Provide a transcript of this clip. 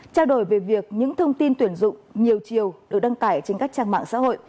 trao đổi về việc những thông tin tuyển dụng nhiều chiều được đăng tải trên các trang mạng xã hội